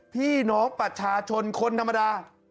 พี่น้องประชาชนคนธรรมดา